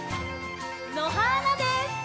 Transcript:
のはーなです！